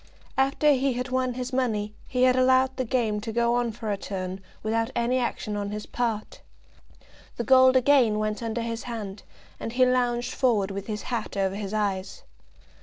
After he had won his money, he had allowed the game to go on for a turn without any action on his part. The gold again went under his hand, and he lounged forward with his hat over his eyes.